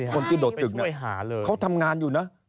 คนที่โดดตึกนะเขาทำงานอยู่นะ